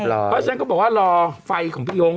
เพราะฉะนั้นก็บอกว่ารอไฟของพี่ยง